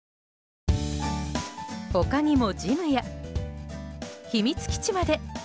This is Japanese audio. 他にも、ジムや秘密基地まで。